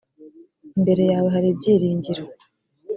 imbere yawe hari ibyiringiro